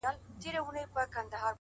هره هیله د عمل اړتیا لري؛